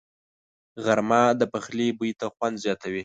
غرمه د پخلي بوی ته خوند زیاتوي